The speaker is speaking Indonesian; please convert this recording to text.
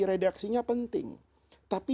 redaksinya penting tapi